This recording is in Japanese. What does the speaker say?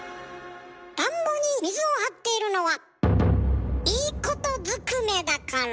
田んぼに水を張っているのはいいことずくめだから。